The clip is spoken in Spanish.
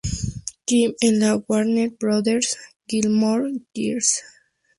Kim en la Warner Brothers "Gilmore Girls.